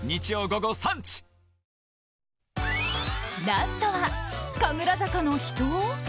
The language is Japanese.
ラストは、神楽坂の秘湯？